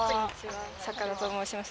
坂田と申します。